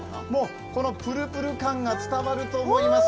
プルプル感が伝わると思います。